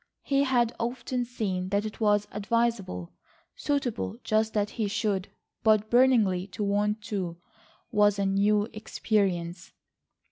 He had often seen that it was advisable, suitable just that he should, but burningly to want to was a new experience.